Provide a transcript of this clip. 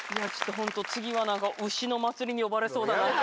本当次はなんか牛の祭りに呼ばれそうだなって。